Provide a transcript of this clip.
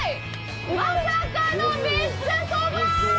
まさかのめっちゃそば！